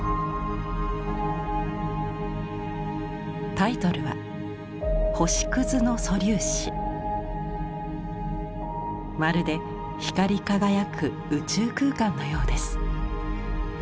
タイトルはまるで光り輝く宇宙空間のようです。